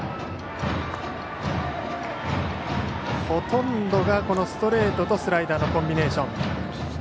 ほとんどがストレートとスライダーのコンビネーション。